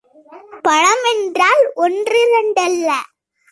பழம் என்றால் ஒன்றிரண்டு அல்ல.